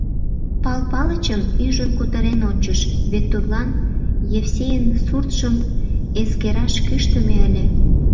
Пал Палычым ӱжын кутырен ончыш, вет тудлан Евсейын суртшым эскераш кӱштымӧ ыле.